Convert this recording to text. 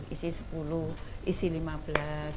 sepuluh isi sepuluh isi lima belas gitu